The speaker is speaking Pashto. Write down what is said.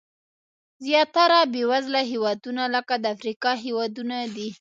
زیاتره بېوزله هېوادونه لکه د افریقا هېوادونه دي.